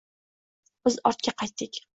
Biz ortga qaytdik